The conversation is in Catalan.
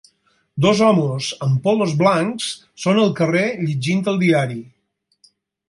Dos homes amb polos blancs són al carrer llegint el diari.